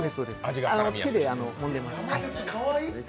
手でもんでます。